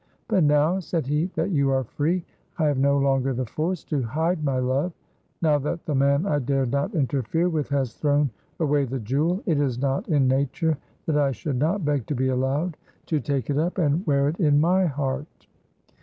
"But now," said he, "that you are free, I have no longer the force to hide my love; now that the man I dared not interfere with has thrown away the jewel, it is not in nature that I should not beg to be allowed to take it up and wear it in my heart."